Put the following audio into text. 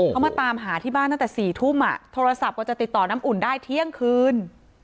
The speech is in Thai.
เขามาตามหาที่บ้านตั้งแต่๔ทุ่มโทรศัพท์กว่าจะติดต่อน้ำอุ่นได้เที่ยงคืน